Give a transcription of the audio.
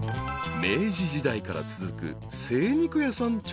［明治時代から続く精肉屋さん